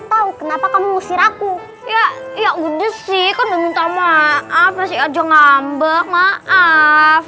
tahu kenapa kamu ngusir aku ya iya udah sih kan udah minta maaf masih ojo ngambek maaf